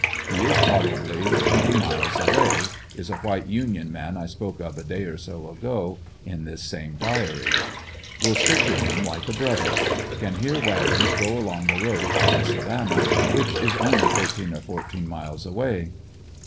He is probably twenty miles away; is a white Union man I spoke of a day or so ago in this same diary. Wil stick to him like a brother. Can hear wagons go along the road toward Savannah, which is only thirteen or fourteen miles away.